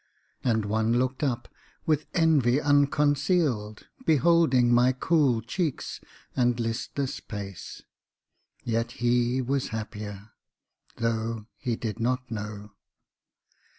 And one looked up, with envy unconcealed, Beholding my cool cheeks and listless pace, Yet he was happier, though he did not know.